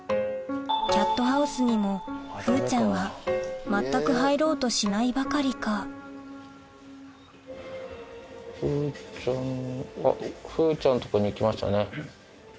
キャットハウスにも風ちゃんは全く入ろうとしないばかりか風ちゃんとこに行きましたね。